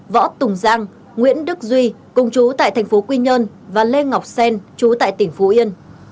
võ tùng giang nguyễn đức duy cùng chú tại tp quy nhơn và lê ngọc xen chú tại tp yên